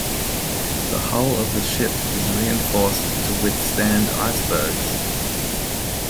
The hull of the ship is reinforced to withstand icebergs.